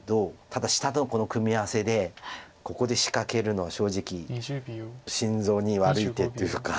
ただ下との組み合わせでここで仕掛けるのは正直心臓に悪い手というか。